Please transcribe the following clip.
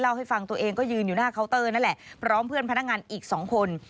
ให้ฟังตัวเองก็ยืนอยู่หน้าเคาน์เตอร์นั่นแหละพร้อมเพื่อนพนักงานอีกสองคน